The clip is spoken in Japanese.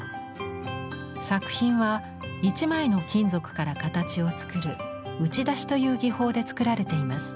作品は一枚の金属から形を作る「打ち出し」という技法で作られています。